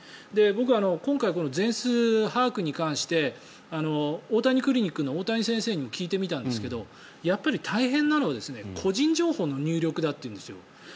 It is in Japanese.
僕、今回この全数把握に関して大谷クリニックの大谷先生に聞いてみたんですけどやっぱり大変なのは個人情報の入力だというんです。